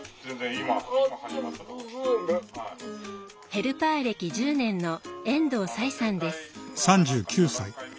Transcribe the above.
ヘルパー歴１０年の遠藤彩さんです。